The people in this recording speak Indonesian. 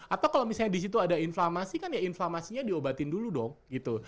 atau kalau misalnya di situ ada inflamasi kan ya inflamasinya diobatin dulu dong gitu